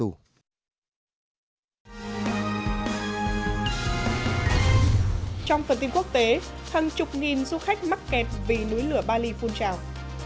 trong phần tin quốc tế hàng chục nghìn du khách mắc kẹt vì núi lửa bali phun trào